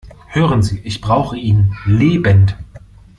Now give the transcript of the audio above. Hören Sie, ich brauche ihn lebend!